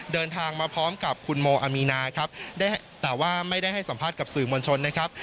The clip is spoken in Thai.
เดินทางมาพร้อมกับคุณโมอามีนาครับแต่ว่าไม่ได้ให้สัมภาษณ์กับสื่อมวลชนนะครับ